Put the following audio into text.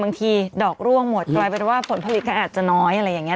บางทีดอกร่วงหมดกลายเป็นว่าผลผลิตก็อาจจะน้อยอะไรอย่างนี้